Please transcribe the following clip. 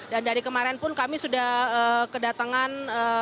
dan dari kemarin pun kami sudah kedatangan